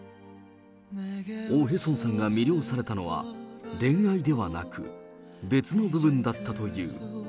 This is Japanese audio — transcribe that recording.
オ・ヘソンさんが魅了されたのは、恋愛ではなく、別の部分だったという。